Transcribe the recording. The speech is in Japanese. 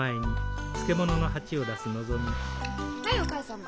はいお母さんも。